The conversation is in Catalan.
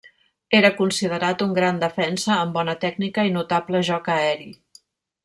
Era considerat un gran defensa amb bona tècnica i notable joc aeri.